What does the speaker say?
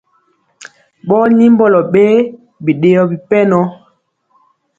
Ɓɔɔ nyimbɔlɔ ɓee biɗeyɔ bipɛnɔ.